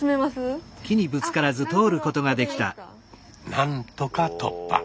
なんとか突破。